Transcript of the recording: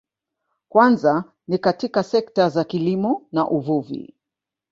Kwanza ni katika sekta za kilimo na uvuvi